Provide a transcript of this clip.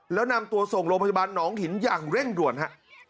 แล้วนำตัวส่งโรงพยาบาลหนองหินอย่างเร่งด่วนฮะ